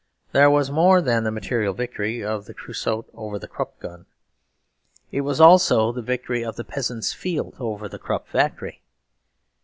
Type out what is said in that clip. There was more than the material victory of the Creusot over the Krupp gun. It was also the victory of the peasant's field over the Krupp factory.